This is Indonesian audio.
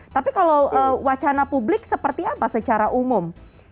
tapi kalau wacana publik seperti apa secara umum